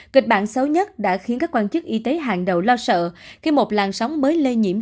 kịch bản xấu nhất đã khiến các quan chức y tế hàng đầu lo sợ khi một làn sóng mới lây nhiễm